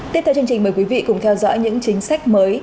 tiếp theo chương trình mời quý vị cùng theo dõi những chính sách mới